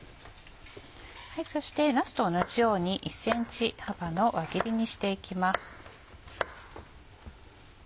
そしてなすと同じように１ｃｍ幅の輪切りにしていきます。